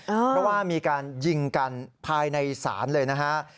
เพราะว่ามีการยิงกันภายในศาลเลยนะฮะ